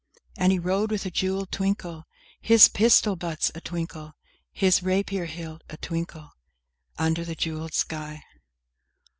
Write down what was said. And he rode with a jewelled twinkle, His pistol butts a twinkle, His rapier hilt a twinkle, under the jewelled sky.